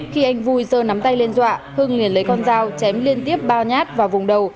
khi anh vui dơ nắm tay lên dọa hưng liền lấy con dao chém liên tiếp bao nhát vào vùng đầu